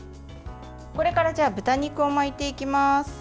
これから豚肉を巻いていきます。